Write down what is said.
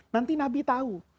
nanti nabi tahu